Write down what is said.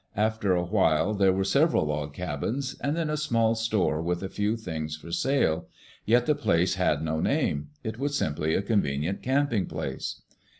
After a while there were sev eral log cabins, and then a small store with a few things for sale. Yet the place had no name; it was simply a convenient camping place.